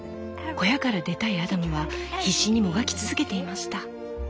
小屋から出たいアダムは必死にもがき続けていました。